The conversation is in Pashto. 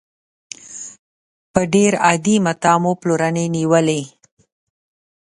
په ډېر عادي متاع مو پلورنې نېولې.